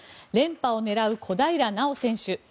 連覇を狙う小平奈緒選手